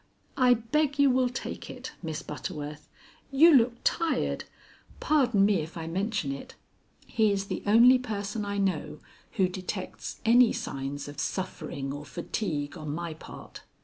"I beg you will take it, Miss Butterworth. You look tired; pardon me if I mention it." (He is the only person I know who detects any signs of suffering or fatigue on my part.)